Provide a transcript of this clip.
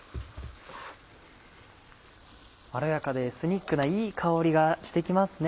まろやかでエスニックないい香りがして来ますね。